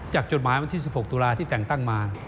จดหมายวันที่๑๖ตุลาที่แต่งตั้งมา